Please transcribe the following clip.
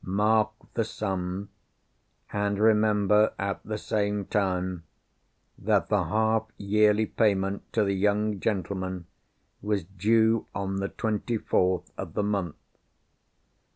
Mark the sum; and remember at the same time, that the half yearly payment to the young gentleman was due on the twenty fourth of the month.